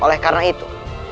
oleh karena itu